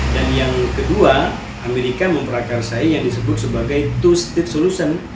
dan yang kedua amerika memperakarsai yang disebut sebagai two state solution